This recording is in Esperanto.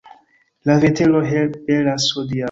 La vetero belas hodiaŭ.